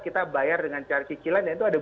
kita bayar dengan cari cicilan dan itu ada